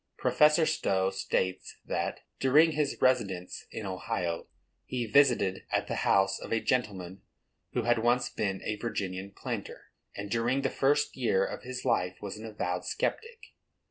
Professor Stowe states that, during his residence in Ohio, he visited at the house of a gentleman who had once been a Virginian planter, and during the first years of his life was an avowed sceptic.